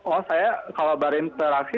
oh saya kalau berinteraksi